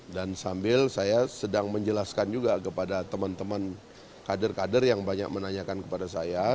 dan sambil saya sedang menjelaskan juga kepada teman teman kader kader yang banyak menanyakan kepada saya